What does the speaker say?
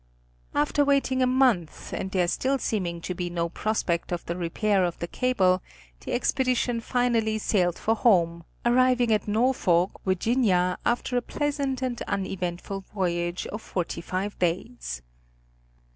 After waiting a month, and there still seeming to be no prospect of the repair of the cable, the expedition finally sailed for home, arriving at Norfolk, Va., after a pleasant and uneventful voyage of forty five days.